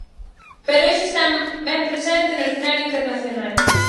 Pero hoxe está ben presente no escenario internacional.